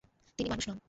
তিনি মানুষ নন।